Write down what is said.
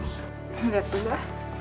niat dulu ya